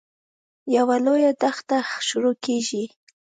یوه لویه دښته شروع کېږي.